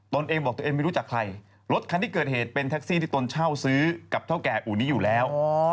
เองบอกตัวเองไม่รู้จักใครรถคันที่เกิดเหตุเป็นแท็กซี่ที่ตนเช่าซื้อกับเท่าแก่อู่นี้อยู่แล้ว